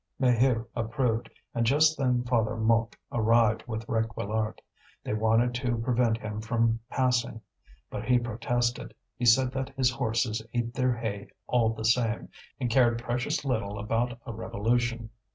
Maheu approved, and just then Father Mouque arrived from Réquillart. They wanted to prevent him from passing. But he protested; he said that his horses ate their hay all the same, and cared precious little about a revolution.